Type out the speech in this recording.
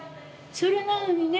それなのにね